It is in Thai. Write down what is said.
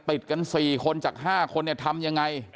ติดกัน๔คนจาก๕คนเนี่ยทำยังไง